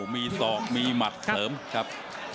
มีศอกมีหมัดเสริมครับ